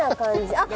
あっ！